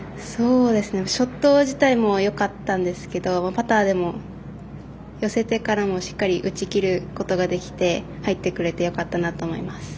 ショット自体もよかったんですけどパターでも寄せてからも打ち切ることができて入ってくれてよかったなと思います。